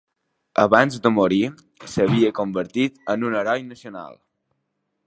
Abans de morir s'havia convertit en un heroi nacional.